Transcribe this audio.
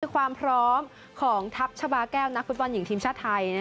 ความพร้อมของทัพชาบาแก้วนักฟุตบอลหญิงทีมชาติไทย